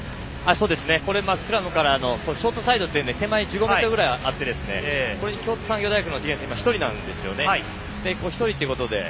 スクラムからのショートサイドというので手前１５ｍくらいあってこれに京都産業大学のディフェンスが１人なんですよね。